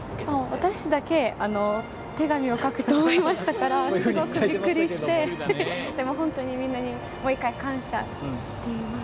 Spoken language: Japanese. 私だけ手紙を書くと思いましたからすごくびっくりしてでも本当にみんなにもう一回、感謝しています。